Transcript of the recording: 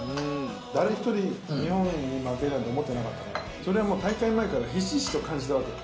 誰一人、日本に負けるなんて思ってなかったから、それはもう、大会前からひしひしと感じたわけよ。